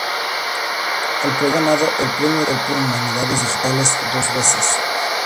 El proyecto ha ganado el "Premio de Humanidades Digitales" dos veces.